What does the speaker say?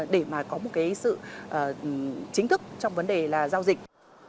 để mà có một cái sự chính thức trong vấn đề là giao dịch